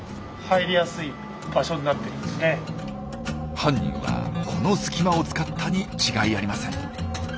犯人はこの隙間を使ったに違いありません。